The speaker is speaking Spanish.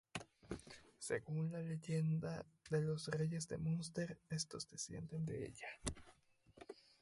Según la leyenda de los reyes de Munster, estos descienden de ella.